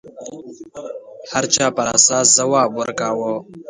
هر چا پر اساس ځواب ورکاوه